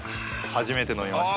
初めて飲みました。